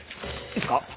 いいっすか？